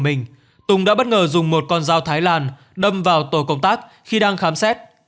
mình tùng đã bất ngờ dùng một con dao thái lan đâm vào tổ công tác khi đang khám xét